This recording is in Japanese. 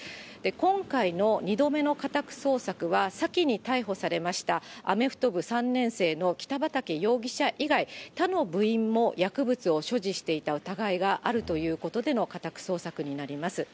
今回の２度目の家宅捜索は、先に逮捕されましたアメフト部３年生の北畠容疑者以外、他の部員も薬物を所持していた疑いがあるということでの家宅捜索になります。